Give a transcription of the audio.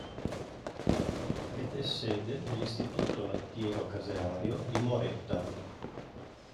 Ed è sede dell'Istituto Lattiero Caseario di Moretta.